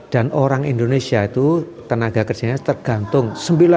dan orang indonesia itu tenaga kerjanya tergantung sembilan puluh tujuh